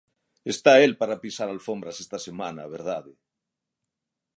¡Está el para pisar alfombras esta semana, a verdade!